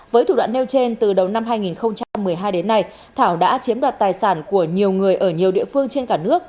với thủ đoạn nêu trên từ đầu năm hai nghìn một mươi hai đến nay thảo đã chiếm đoạt tài sản của nhiều người ở nhiều địa phương trên cả nước